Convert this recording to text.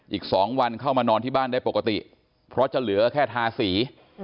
อีก๒วันเข้ามานอนที่บ้านได้ปกติเพราะจะเหลือแค่ทาสี